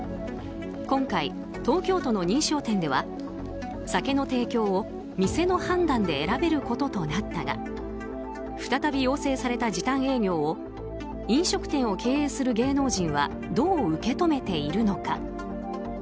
今回、東京都の認証店では酒の提供を店の判断で選べることとなったが再び要請された時短営業を飲食店を経営する芸能人はどう受け止めているのか。